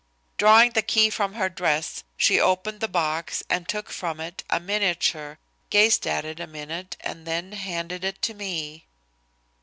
Drawing the key from her dress she opened the box and took from it a miniature, gazed at it a minute, and then handed it to me.